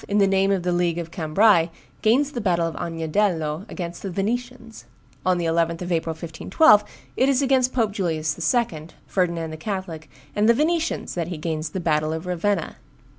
in the name of the League of Cambrai, gains the battle of Agnadello against the Venetians. On the 11th of April, 1512, it is against Pope Julius II., Ferdinand the Catholic, and the Venetians that he gains the battle of Ravenna.